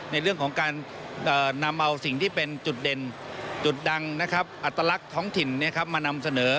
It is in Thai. ในเรื่องของการนำเอาสิ่งที่เป็นจุดเด่นจุดดังอัตลักษณ์ท้องถิ่นมานำเสนอ